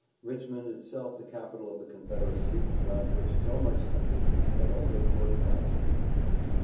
Richmond, itself the capital of the Confederacy, around which so much centered, had only forty thousand people.